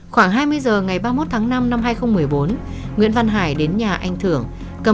khoảng hai mươi h ngày ba mươi một tháng năm năm hai nghìn một mươi bốn nguyễn văn hải đến nhà anh thưởng cầm